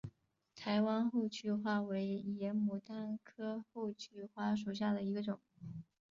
台湾厚距花为野牡丹科厚距花属下的一个种。